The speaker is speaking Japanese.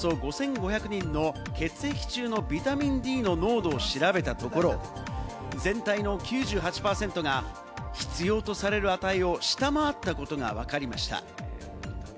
およそ５５００人の血液の中のビタミンＤ濃度を調べたところ、全体の９８％が必要とされる値を下回ったことがわかりました。